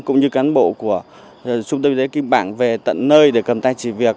cũng như cán bộ của trung tâm y tế kim bảng về tận nơi để cầm tay chỉ việc